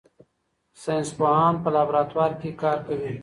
ساینس پوهان په لابراتوار کې کار کوي.